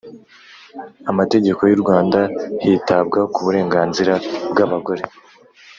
amategeko yu Rwanda hitabwa ku burenganzira bwabagore